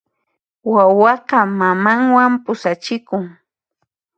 Wawaqa mamanwan pusachikun.